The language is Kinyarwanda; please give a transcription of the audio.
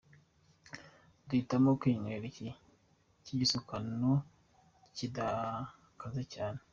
Duhitamo kwinywera iki cy’igisukano kidakaze cyane”.